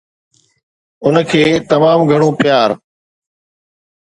ان کي تمام گهڻو پيار